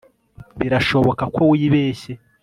birashoboka ko wibeshye